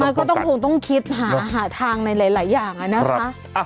มันก็ต้องคงต้องคิดหาทางในหลายอย่างนะคะ